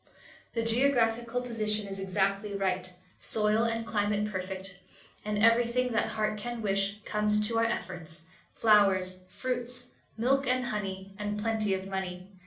The geographical position is exactly right, soil and climate perfect, and everything that heart can wish comes to our efforts—flowers, fruits, milk and honey, and plenty of money.